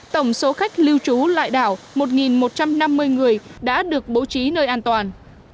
tổng số khách lưu trú lại đảo một một trăm năm mươi người đã được bố trí nơi an toàn